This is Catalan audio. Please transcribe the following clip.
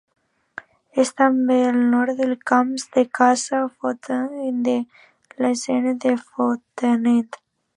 És també al nord dels Camps de Casa Fontanet i de l'Alzinera de Fontanet.